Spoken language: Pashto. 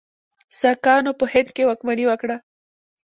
ساکانو په هند کې واکمني وکړه.